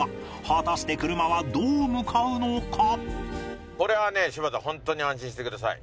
果たして車はどう向かうのか？